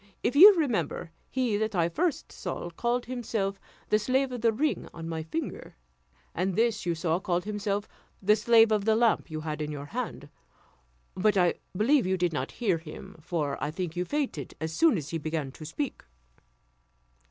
If you remember, he that I first saw called himself the slave of the ring on my finger; and this you saw, called himself the slave of the lamp you had in your hand; but I believe you did not hear him, for I think you fainted as soon as he began to speak."